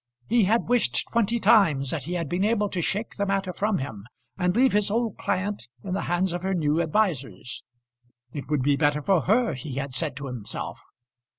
He had wished twenty times that he had been able to shake the matter from him and leave his old client in the hands of her new advisers. It would be better for her, he had said to himself.